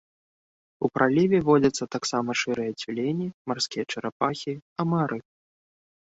У праліве водзяцца таксама шэрыя цюлені, марскія чарапахі, амары.